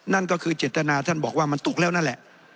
นั่นก็คือเจตนาท่านบอกว่ามันตุกแล้วนั่นแหละ